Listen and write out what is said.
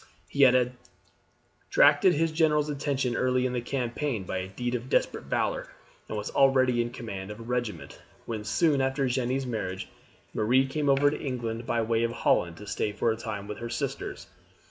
He had attracted his general's attention early in the campaign by a deed of desperate valour, and was already in command of a regiment, when, soon after Jeanne's marriage, Marie came over to England by way of Holland to stay for a time with her sisters.